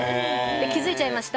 気づいちゃいました？